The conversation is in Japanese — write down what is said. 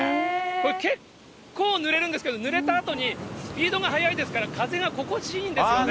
これ、結構ぬれるんですけど、ぬれたあとにスピードが速いですから、風が心地いいんですよね。